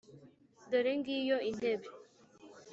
“Dore ngiyo intebe!”